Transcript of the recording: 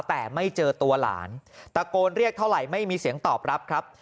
แต่ไม่เจอตัวหลานตะโกนเรียกเท่าไหร่ไม่มีเสียงตอบรับครับ